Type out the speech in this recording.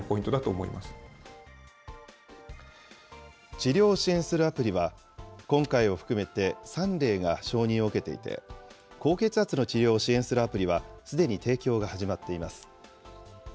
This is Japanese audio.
治療を支援するアプリは、今回を含めて３例が承認を受けていて、高血圧の治療を支援するアプリは、すでに提供が始まっています。